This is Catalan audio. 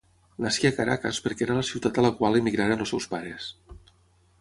Nasqué a Caracas perquè era la ciutat a la qual emigraren els seus pares.